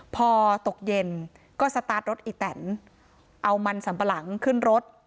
พอตกเย็นก็สตาร์ทรถอีแตนเอามันสัมปะหลังขึ้นรถ